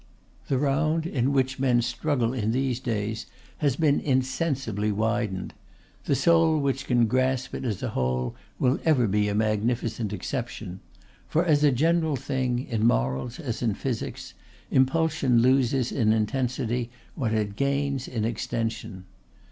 The round in which men struggle in these days has been insensibly widened; the soul which can grasp it as a whole will ever be a magnificent exception; for, as a general thing, in morals as in physics, impulsion loses in intensity what it gains in extension.